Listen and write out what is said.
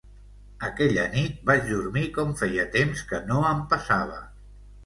Aquella nit vaig dormir com feia temps que no em passava.